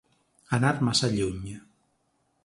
Anar massa lluny.